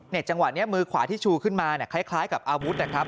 จังหวะนี้มือขวาที่ชูขึ้นมาคล้ายกับอาวุธนะครับ